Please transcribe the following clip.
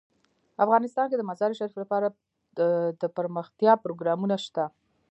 افغانستان کې د مزارشریف لپاره دپرمختیا پروګرامونه شته.